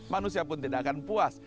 manusia pun tidak akan puas